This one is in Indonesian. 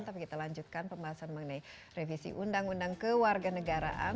tapi kita lanjutkan pembahasan mengenai revisi undang undang ke warga negaraan